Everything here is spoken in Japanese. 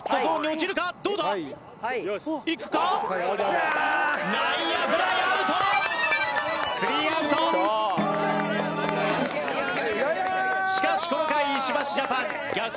しかし今回石橋ジャパン逆転に成功。